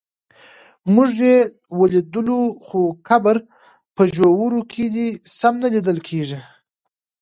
موږ یې ولیدلو خو قبر په ژورو کې دی سم نه لیدل کېږي.